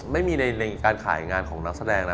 ไม่มีในการขายงานของนักแสดงนะ